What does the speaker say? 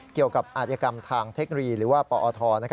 เกี่ยวกับอาจกรรมทางเทคโนโลยีหรือว่าปอท